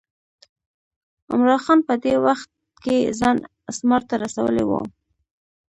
عمرا خان په دې وخت کې ځان اسمار ته رسولی و.